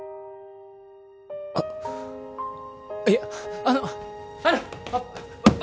あっいやあのあのパ